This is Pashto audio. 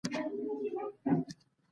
څوک چې نه ماتیږي، نه بریالی کېږي.